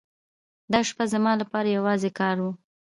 دا شپه زما لپاره یوازې کار و.